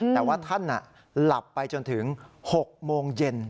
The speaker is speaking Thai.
แต่ว่าท่านหลับไปจนถึง๖โมงเย็น